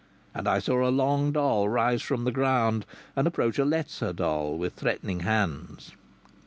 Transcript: And I saw a long doll rise from the ground and approach a lesser doll with threatening hands.